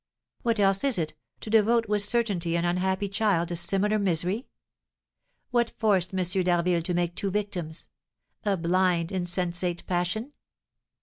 What else is it, to devote with certainty an unhappy child to similar misery? What forced M. d'Harville to make two victims? A blind, insensate passion?